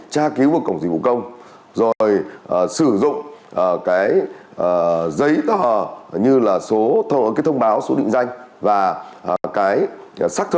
tra cứu vào cổng dịch vụ công rồi sử dụng giấy thờ như là thông báo số định danh